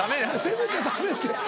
責めちゃダメって。